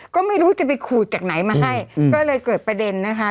ก็ไม่รู้จะไปขูดจากไหนมาให้ก็เลยเกิดประเด็นนะคะ